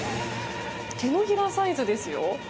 手の平サイズですよ。